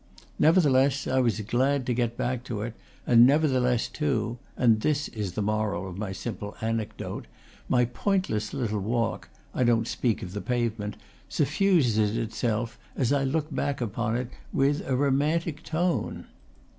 Never theless, I was glad to get back to it; and nevertheless, too, and this is the moral of my simple anecdote, my pointless little walk (I don't speak of the pave ment) suffuses itself, as I look back upon it, with a romantic tone.